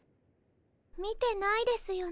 見てないですよね？